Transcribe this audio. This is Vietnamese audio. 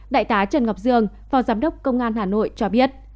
đại tá trần ngọc dương phó giám đốc công an hà nội cho biết